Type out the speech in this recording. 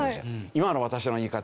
今の私の言い方